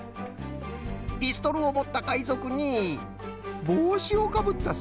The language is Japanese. ピストルをもったかいぞくにぼうしをかぶったせんちょう！